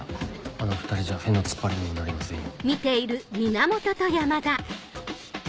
あの２人じゃ屁の突っ張りにもなりませんよ。